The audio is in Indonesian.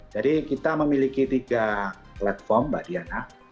jadi kita memiliki tiga platform mbak diana